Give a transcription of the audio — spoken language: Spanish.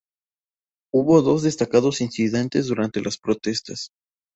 Hubo dos destacados incidentes durante las protestas.